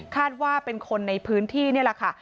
คาดว่าเป็นคนในพื้นที่นี่แหละค่ะ